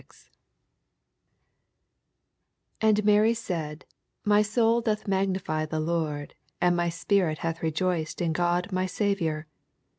46 And Mary said, My soul doth ttumnty the Lord, 47 And my spirit hath rejoioed in God my Saviour.